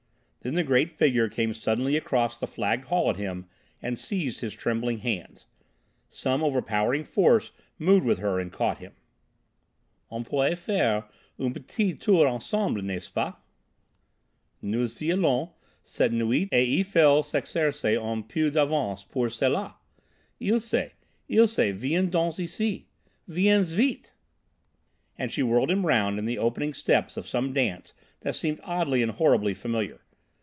Then the great figure came suddenly across the flagged hall at him and seized his trembling hands. Some overpowering force moved with her and caught him. "On pourrait faire un p'tit tour ensemble, n'est ce pas? Nous y allons cette nuit et il faut s'exercer un peu d'avance pour cela. Ilsé, Ilsé, viens donc ici. Viens vite!" And she whirled him round in the opening steps of some dance that seemed oddly and horribly familiar.